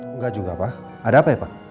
enggak juga pak ada apa ya pak